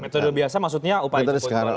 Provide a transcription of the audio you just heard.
metode biasa maksudnya upaya